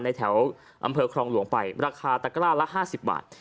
แถวอำเภอครองหลวงไปราคาตะกร้าละ๕๐บาท